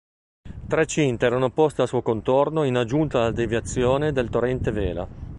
Tre cinte erano poste al suo contorno in aggiunta alla deviazione del torrente Vela.